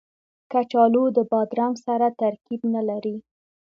کچالو د بادرنګ سره ترکیب نه لري